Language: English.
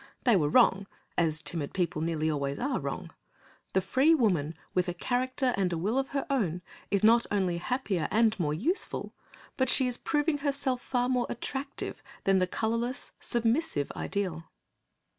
They were wrong, as timid people nearly always are wrong. The free woman, with a character and a will of her own, is not only happier and more useful, but she is proving herself far more attractive than the colourless submissive ideal.